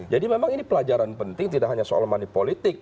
jadi memang ini pelajaran penting tidak hanya soal mani politik